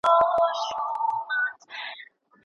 حکومت بايد عادلانه نظام ولري.